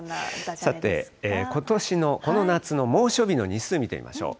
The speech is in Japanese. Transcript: さてことしの、この夏の猛暑日の日数見てみましょう。